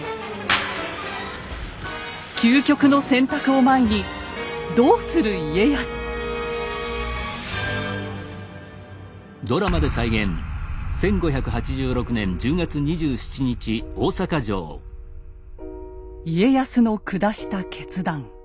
究極の選択を前に家康の下した決断。